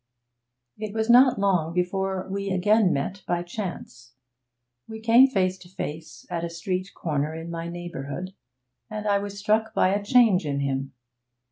It was not long before we again met by chance. We came face to face at a street corner in my neighbourhood, and I was struck by a change in him.